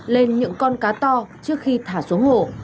lên những con cá to trước khi thả xuống hồ